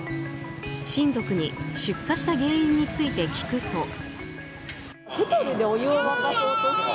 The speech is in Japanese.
親族に出火した原因について聞くと。